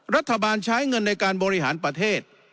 รัฐบาลใช้เงินในการบริหารประเทศ